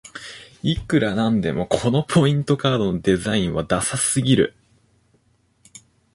いくらなんでもこのポイントカードのデザインはダサすぎる